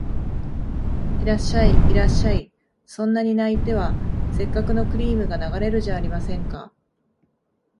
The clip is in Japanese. いらっしゃい、いらっしゃい、そんなに泣いては折角のクリームが流れるじゃありませんか